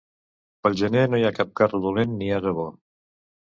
Pel gener no hi ha cap carro dolent ni ase bo.